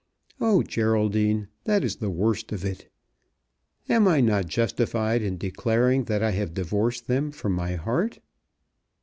Oh, Geraldine, that is the worst of it! Am I not justified in declaring that I have divorced them from my heart?